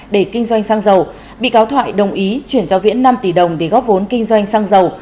để kinh doanh xăng dầu bị cáo thoại đồng ý chuyển cho viễn năm tỷ đồng để góp vốn kinh doanh xăng dầu